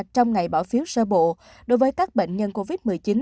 trong ngày bỏ phiếu sơ bộ đối với các bệnh nhân covid một mươi chín